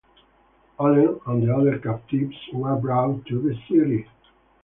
Allen and the other captives were brought to the city.